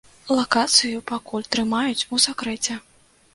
Лакацыю пакуль трымаюць у сакрэце.